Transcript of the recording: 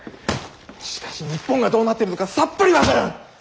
しかし日本がどうなっているのかさっぱり分からん。